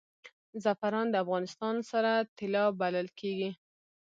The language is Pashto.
زعفران د افغانستان سره طلا بلل کیږي